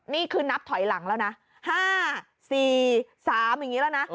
นี่คือนับถอยหลังแล้วนะ๕๔๓อย่างนี้แล้วนะ